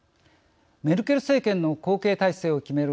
メルケル政権の後継体制を決める